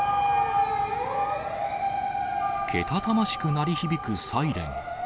けたたましく鳴り響くサイレン。